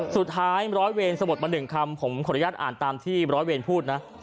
สุดท้ายร้อยเวรสะบดมา๑คำผมขออนุญาตอ่านตามที่ร้อยเวรพูดนะ